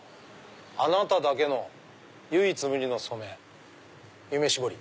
「あなただけの唯一無二の染め夢しぼり」。